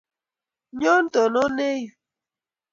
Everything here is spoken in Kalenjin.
nyoo tononee yu